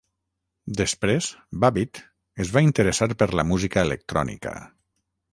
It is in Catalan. Després, Babbitt es va interessar per la música electrònica.